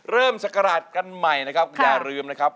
ศักราชกันใหม่นะครับอย่าลืมนะครับ